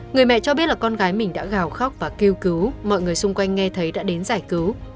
người mẹ cho biết là con gái mình đã gào khóc và kêu cứu mọi người xung quanh nghe thấy đã đến giải cứu